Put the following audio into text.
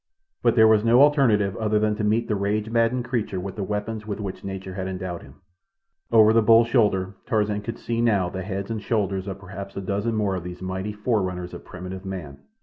But there was no alternative other than to meet the rage maddened creature with the weapons with which nature had endowed him. Over the bull's shoulder Tarzan could see now the heads and shoulders of perhaps a dozen more of these mighty fore runners of primitive man.